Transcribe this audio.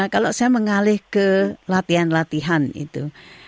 kalau saya mengalih ke latihan latihan itu